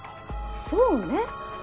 そうね